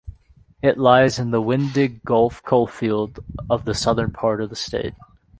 It lies in the Winding Gulf Coalfield of the southern part of the state.